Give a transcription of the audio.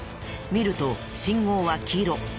見ると信号は黄色。